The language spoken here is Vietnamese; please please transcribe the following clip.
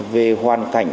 về hoàn cảnh